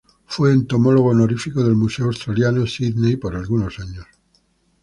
Fue entomólogo honorífico del Museo Australiano, Sídney, por algunos años.